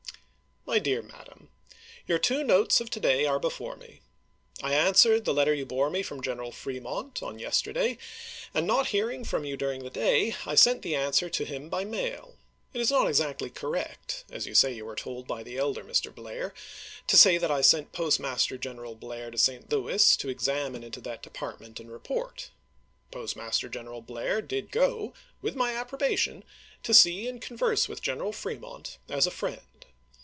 My Dear Madam: Your two notes of to day are before me. I answered the letter you bore me from Gen eral Fremont, on yesterday, and not hearing from you during the day, I sent the answer to him by mail. It is not exactly correct, as you say you were told by the elder Mr. Blair, to say that I sent Postmaster General Blair to St. Louis to examine into that Department and report. Postmaster General Blair did go, with my approbation, to see and converse with General Fremont as a friend.